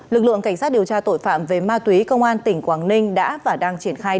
lực lượng cảnh sát điều tra tội phạm về ma túy công an tỉnh quảng ninh đã và đang triển khai